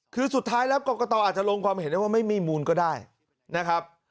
คือสุดท้ายแล้วกรกตอาจจะลงความเห็นได้ว่าไม่มีมูลก็ได้นะครับ